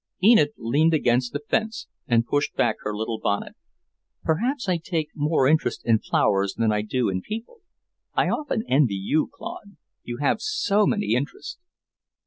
Enid leaned against the fence and pushed back her little bonnet. "Perhaps I take more interest in flowers than I do in people. I often envy you, Claude; you have so many interests."